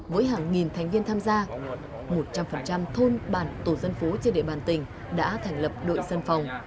với hàng nghìn thành viên tham gia một trăm linh thôn bản tổ dân phố trên địa bàn tỉnh đã thành lập đội sân phòng